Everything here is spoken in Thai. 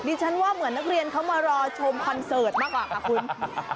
ฉันว่าเหมือนนักเรียนเขามารอชมคอนเสิร์ตมากกว่าค่ะคุณ